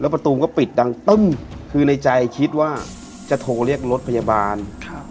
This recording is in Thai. ประตูก็ปิดดังตึ้มคือในใจคิดว่าจะโทรเรียกรถพยาบาล